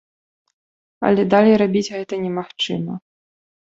Але далей рабіць гэта немагчыма.